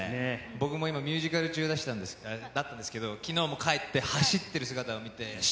僕も今、ミュージカル中だったんですけど、きのうも帰って、走ってる姿を見て、よし！